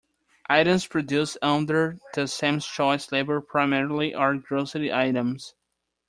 Items produced under the Sam's Choice label primarily are grocery items.